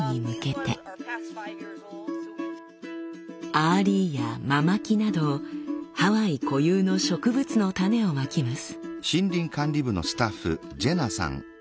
アアリイやママキなどハワイ固有の植物の種をまきます。